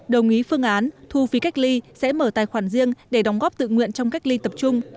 đồng ý phương án thu phí cách ly sẽ mở tài khoản riêng để đóng góp tự nguyện trong cách ly tập trung